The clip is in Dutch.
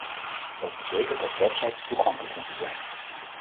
Dat betekent dat websites toegankelijk moeten zijn.